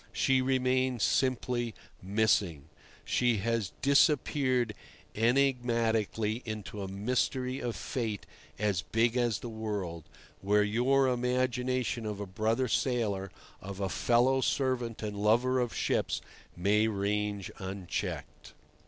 She remains simply "missing"; she has disappeared enigmatically into a mystery of fate as big as the world, where your imagination of a brother sailor, of a fellow servant and lover of ships, may range unchecked.